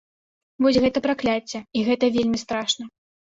Вось гэта пракляцце, і гэта вельмі страшна.